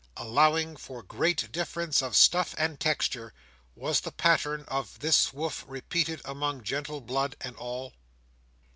Allowing for great difference of stuff and texture, was the pattern of this woof repeated among gentle blood at all?